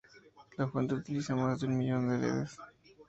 La fuente utiliza más de un millón de ledes.